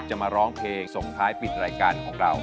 มาร้องเพลงส่งท้ายปิดรายการของเรา